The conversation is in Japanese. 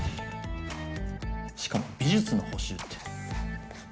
しかも美術の補習って。